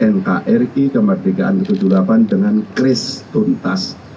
nkri kemerdekaan tujuh puluh delapan dengan kris tuntas